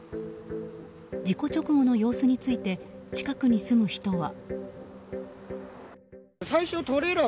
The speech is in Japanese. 事故直後の様子について近くに住む人は。